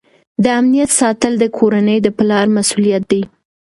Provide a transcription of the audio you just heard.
د امنیت ساتل د کورنۍ د پلار مسؤلیت دی.